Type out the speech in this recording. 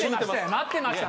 待ってました。